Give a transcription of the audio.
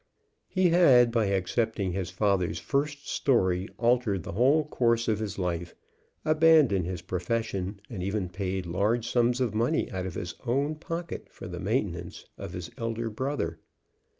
He had, by accepting his father's first story, altered the whole course of his life, abandoned his profession, and even paid large sums of money out of his own pocket for the maintenance of his elder brother.